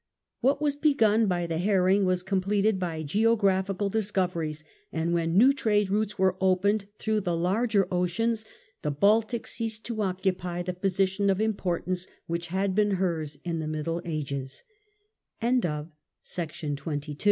What was begun by the herring was completed by geographical discoveries ; and when new trade routes were opened through the larger oceans, the Baltic ceased to occupy the position of importance which had been hers in the Midd